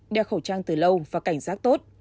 đeo khẩu trang từ lâu và cảnh giác tốt